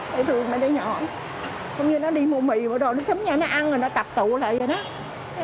thế thường nó đi nhỏ không như nó đi mua mì rồi rồi nó sớm nhảy nó ăn rồi nó tập tụ lại rồi đó